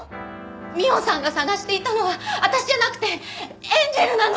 美緒さんが捜していたのは私じゃなくてエンジェルなの！